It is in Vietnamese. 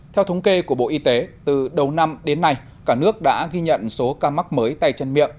theo thống kê của bộ y tế từ đầu năm đến nay cả nước đã ghi nhận số ca mắc mới tay chân miệng